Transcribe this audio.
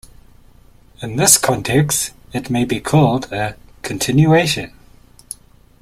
In this context it may be called a "continuation".